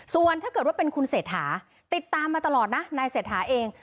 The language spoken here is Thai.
ส่วนถ้าเกิดว่าเป็นคุณเศรษฐาติดตามมาตลอดนะนายเศรษฐาเอง